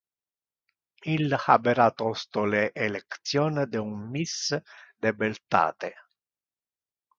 Il habera tosto le election de un miss de beltate.